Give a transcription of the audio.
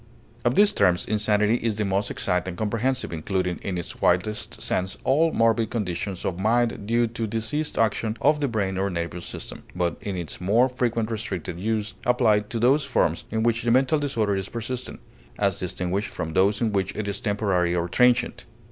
Of these terms insanity is the most exact and comprehensive, including in its widest sense all morbid conditions of mind due to diseased action of the brain or nervous system, but in its more frequent restricted use applied to those forms in which the mental disorder is persistent, as distinguished from those in which it is temporary or transient.